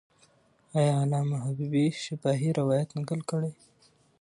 آیا علامه حبیبي شفاهي روایت نقل کړی؟